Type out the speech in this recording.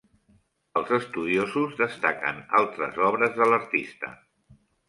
Els estudiosos destaquen altres obres de l'artista.